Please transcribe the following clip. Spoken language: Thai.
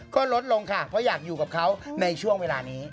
ก็ลดลงค่ะเพราะอยากอยู่กับเขาในช่วงเวลานี้